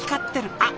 あっ！